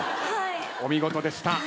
お見事でした。